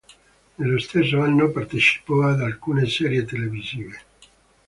Nello stesso anno partecipò ad alcune serie televisive.